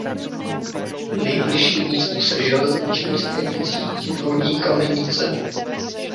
Nejbližší místo se železniční stanicí je Dolní Kamenice.